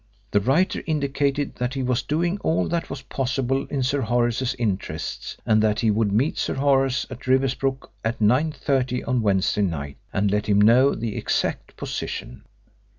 The writer indicated that he was doing all that was possible in Sir Horace's interests, and that he would meet Sir Horace at Riversbrook at 9.30 on Wednesday night and let him know the exact position.